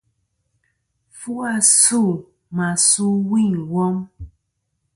Fu asû mà su ɨwûyn ɨ wom.